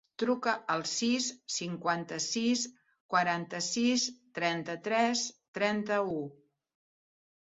Truca al sis, cinquanta-sis, quaranta-sis, trenta-tres, trenta-u.